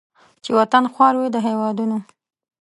چې وطن خوار وي د هیوادونو